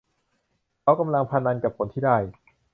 เขากำลังพนันกับผลที่ได้